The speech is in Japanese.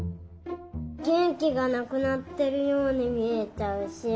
げんきがなくなってるようにみえちゃうし。